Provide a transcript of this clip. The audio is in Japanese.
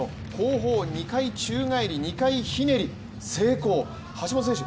抱え込み２回宙返り２回ひねり成功、橋本選手